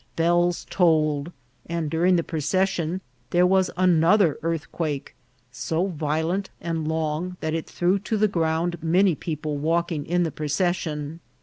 Bells tolled, and during the procession there was anothei earthquake, so violent and long that it threw to tht ground many people walking in the procession.